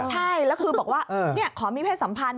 ใช่แล้วคือบอกว่าขอมีเพศสัมพันธ